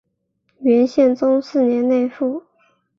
元宪宗四年内附。